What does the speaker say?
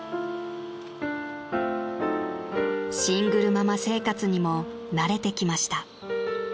［シングルママ生活にも慣れてきました］